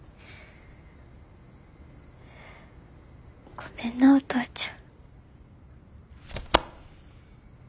ごめんなお父ちゃん。